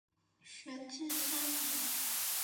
学制三年。